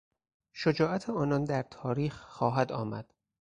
شجاعت آنان در تاریخ خواهد آمد.